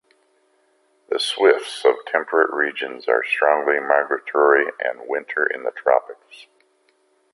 The swifts of temperate regions are strongly migratory and winter in the tropics.